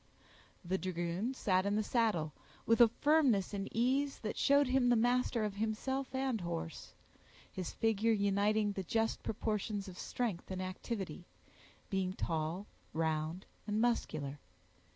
The dragoon sat in the saddle, with a firmness and ease that showed him master of himself and horse,—his figure uniting the just proportions of strength and activity, being tall, round, and muscular.